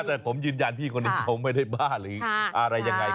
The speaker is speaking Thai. แต่ผมยืนยันพี่คนนี้เขาไม่ได้บ้าหรืออะไรยังไง